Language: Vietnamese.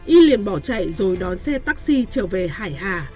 y liền bỏ chạy rồi đón xe taxi trở về hải hà